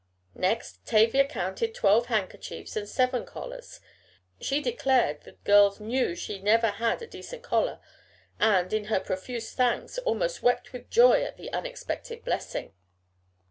Next Tavia counted twelve handkerchiefs, and seven collars. She declared the girls knew she never had a decent collar, and, in her profuse thanks, almost wept with joy at the unexpected blessing.